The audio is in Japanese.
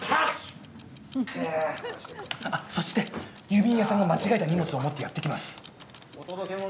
そして郵便屋さんが間違えた荷物を持ってやって来ます。